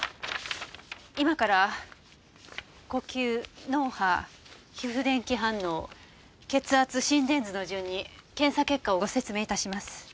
今から呼吸脳波皮膚電気反応血圧心電図の順に検査結果をご説明致します。